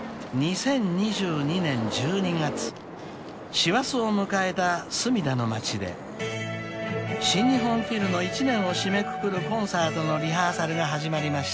［師走を迎えた墨田の街で新日本フィルの一年を締めくくるコンサートのリハーサルが始まりました］